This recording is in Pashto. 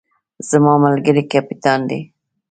زما ملګری کپتان دی